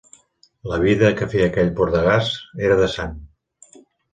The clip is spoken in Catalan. La vida que feia aquell bordegàs, era de sant